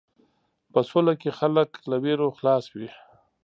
په سوله کې خلک له وېرو خلاص وي.